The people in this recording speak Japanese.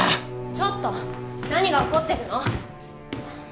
ちょっと何が起こってるの？